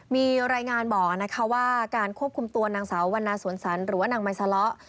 มีรายงานบอกว่าการควบคุมตัวนางสาววันนาสวนสันหรือว่านางไมซาเลาะ